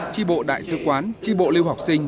tri bộ đại sứ quán tri bộ lưu học sinh